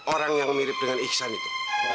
orang yang mirip dengan ihsan itu